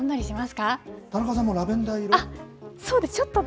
田中さんもラベンダー色。